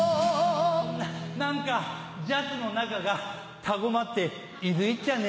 何かジャスの中がたごまっていずいっちゃね。